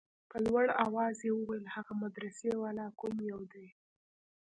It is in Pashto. په لوړ اواز يې وويل هغه مدرسې والا کوم يو دى.